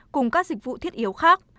cùng các dịch vụ thiết yếu khác